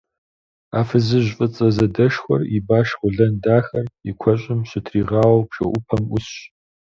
А фызыжь фӏыцӏэ задэшхуэр и баш къуэлэн дахэр и куэщӏым щытригъауэу бжэӏупэм ӏусщ.